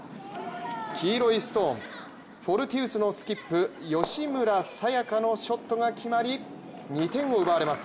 黄色いストーン、フォルティウスのスキップ吉村紗也香のショットが決まり２点を奪われます。